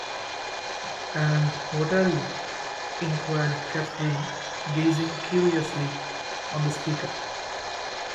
‘And what are you?’ inquired Catherine, gazing curiously on the speaker.